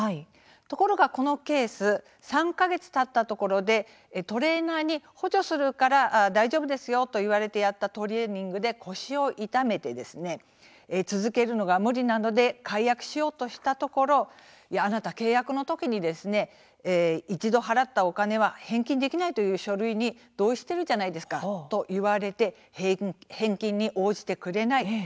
ところが、このケース３か月たったところでトレーナーに補助するから大丈夫ですよと言われてやったトレーニングで腰を痛めて続けるのが無理なので解約しようとしたところあなた契約の時に一度、払ったお金は返金できないという書類に同意しているじゃないですかと言われて返金に応じてくれない。